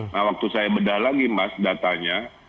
nah waktu saya bedah lagi mas datanya